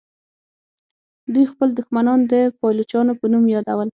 دوی خپل دښمنان د پایلوچانو په نوم یادول.